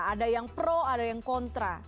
ada yang pro ada yang kontra